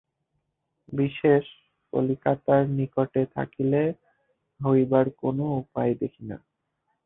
বিশেষ, কলিকাতার নিকটে থাকিলে হইবারও কোন উপায় দেখি না।